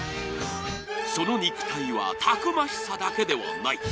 その肉体はたくましさだけではない。